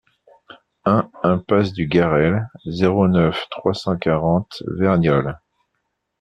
un impasse du Garrel, zéro neuf, trois cent quarante Verniolle